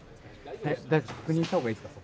確認した方がいいですか？